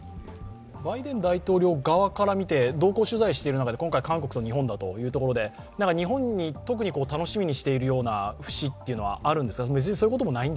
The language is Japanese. バイデン大統領側からみて同行取材している中で今回、韓国と日本だということで日本に特に楽しみにしているような節っていうのはあるんですか？